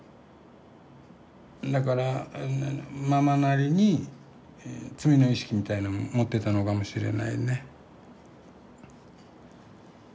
だからママなりに罪の意識みたいなのもってたのかもしれないね。